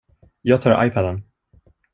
Jag tar iPaden.